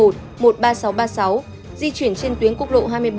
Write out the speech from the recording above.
di chuyển trên tuyến quốc lộ hai mươi bảy